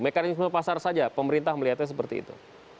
mekanisme pasar saja pemerintah melihatnya seperti itu